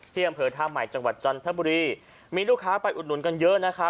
อำเภอท่าใหม่จังหวัดจันทบุรีมีลูกค้าไปอุดหนุนกันเยอะนะครับ